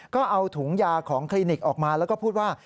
ก็เอาถุงยาของคลินิกออกมาแล้วก็พูดว่า